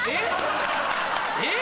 えっ！